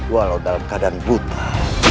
walau dalam keadaan buta